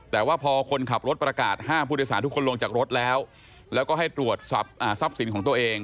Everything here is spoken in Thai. แต่ว่าพอคนขับรถประกาศห้ามผู้โดยสารทุกคนลงจากรถแล้วแล้วก็ให้ตรวจทรัพย์สินของตัวเอง